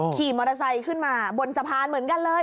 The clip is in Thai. ขี่มอเตอร์ไซค์ขึ้นมาบนสะพานเหมือนกันเลย